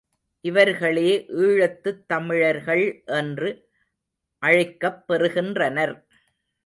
இவர்களே ஈழத்துத் தமிழர்கள் என்று அழைக்கப் பெறுகின்றனர்.